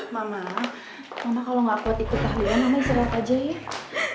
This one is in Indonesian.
mama mama kalau gak kuat ikut tahliah mama diserah aja ya